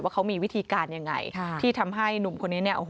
เขามีวิธีการยังไงที่ทำให้หนุ่มคนนี้เนี่ยโอ้โห